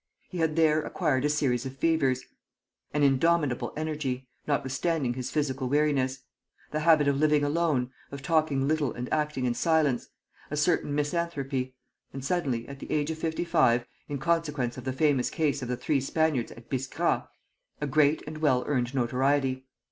He had there acquired a series of fevers; an indomitable energy, notwithstanding his physical weariness; the habit of living alone, of talking little and acting in silence; a certain misanthropy; and, suddenly, at the age of fifty five, in consequence of the famous case of the three Spaniards at Biskra, a great and well earned notoriety.